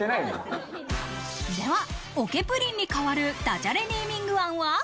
では、桶プリンに代わるダジャレネーミング案は？